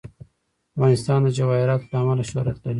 افغانستان د جواهرات له امله شهرت لري.